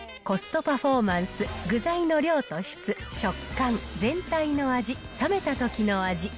コストパフォーマンス、具材の量と質、食感、全体の味、冷めたときの味。